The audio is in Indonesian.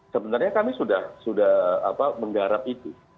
sebenarnya kami sudah menggarap itu